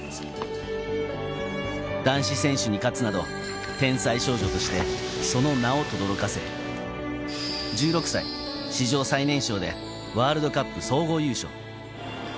男子選手に勝つなど天才少女として、その名をとどろかせ、１６歳、史上最年少でワールドカップ総合優勝。